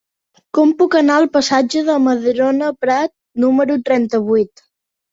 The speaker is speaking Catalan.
Com puc anar al passatge de Madrona Prat número trenta-vuit?